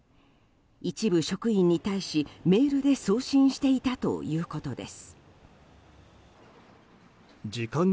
一部職員に対しメールで送信していたということです。